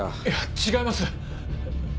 いや違います！